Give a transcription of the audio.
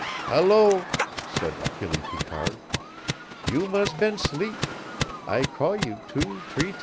"Hullo," said Achille Picard, "you mus' been 'sleep. I call you two t'ree tam."